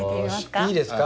いいですか？